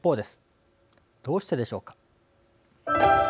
どうしてでしょうか。